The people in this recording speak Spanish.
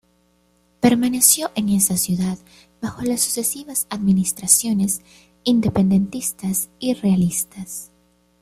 Permaneció en esa ciudad bajo las sucesivas administraciones independentistas y realistas.